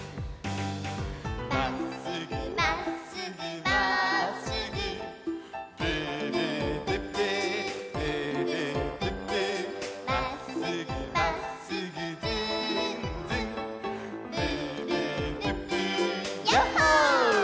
「まっすぐまっすぐまっすぐ」「ブーブープップーブーブープップー」「まっすぐまっすぐずんずん」「ブーブープップーヤッホー！」